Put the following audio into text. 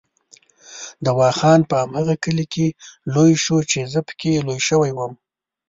دوا خان په هماغه کلي کې لوی شو چې زه پکې لوی شوی وم.